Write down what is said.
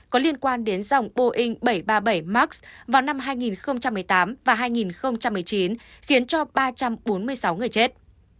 có liên quan đến dòng boeing bảy trăm ba mươi bảy max vào năm hai nghìn một mươi tám và hai nghìn một mươi chín khiến cho ba trăm bốn mươi sáu người chết